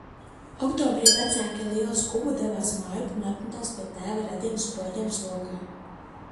Oktobrī vecāki ar lielu skubu devās mājup un apmetās pie tēva radiem Sproģiem Slokā.